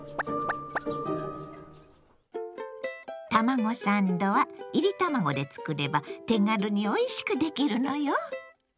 卵サンドはいり卵で作れば手軽においしく出来るのよ。